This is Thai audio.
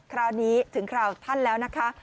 คราวนี้ถึงคราวท่านแล้วนะคะ